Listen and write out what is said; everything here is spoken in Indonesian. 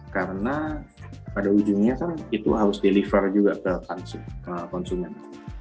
karena pada ujungnya kan itu harus di deliver juga ke konsumen